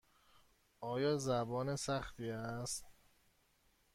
آن زبان سختی است.